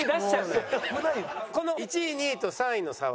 この１位２位と３位の差は？